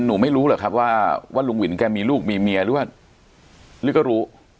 หนูไม่รู้หรอกครับว่าลุงวินแกมีลูกมีเมียหรือว่าหรือก็รู้